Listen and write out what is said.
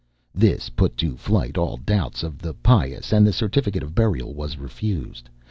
This put to flight all doubts of the pious, and the certificate of burial was refused.